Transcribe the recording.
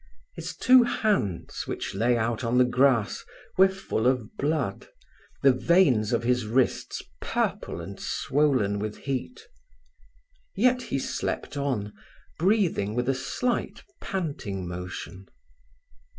His two hands, which lay out on the grass, were full of blood, the veins of his wrists purple and swollen with heat. Yet he slept on, breathing with a slight, panting motion.